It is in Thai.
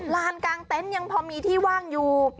ลานกลางเต็นต์ยังพอมีที่ว่างอยู่